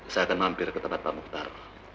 saya akan mampir ke tempat pak mukhtar